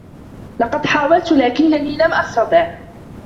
لقد حاولت، لكنّني لم أستطع.